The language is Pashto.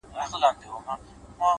• بیا دي پغمان دی واورو نیولی ,